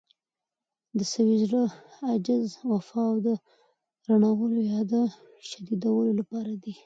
د سوي زړه، عجز، وفا د رڼولو يا شديدولو لپاره دي.